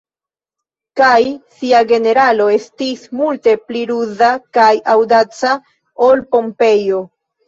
Kaj sia generalo estis multe pli ruza kaj aŭdaca ol Pompejo.